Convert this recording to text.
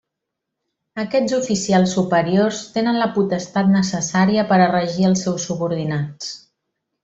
Aquests oficials superiors tenen la potestat necessària per a regir els seus subordinats.